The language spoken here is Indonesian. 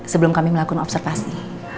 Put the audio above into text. sebelum kami melakukan observasi